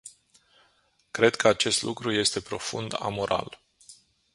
Cred că acest lucru este profund amoral.